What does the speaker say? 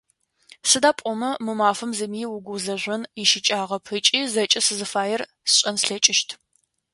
Сыда пӏомэ мы мафэм зыми угузэжъон ищыкӏагъэп ыкӏи зэкӏэ сызыфаер сшӏэн слъэкӏыщт.